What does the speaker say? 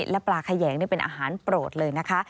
และปลาแขยงนี่เป็นอาหารโปรดเลยนะคะ